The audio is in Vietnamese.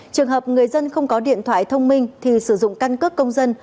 trường hợp người dân không có điện thoại thông minh thì sử dụng căn cước công dân